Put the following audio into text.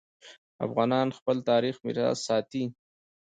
افغانان خپل تاریخي میراث ساتي.